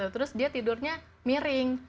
terus dia tidurnya miring